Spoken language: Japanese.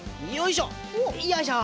よいしょ。